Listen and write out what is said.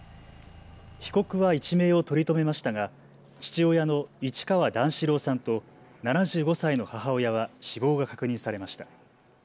被告は一命を取り留めましたが父親の市川段四郎さんと７５歳の母親は死亡が確認されました。